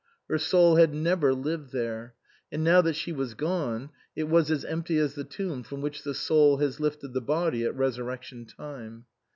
Her soul had never lived there. And now that she was gone it was as empty as the tomb from which the soul has lifted the body at resurrection time.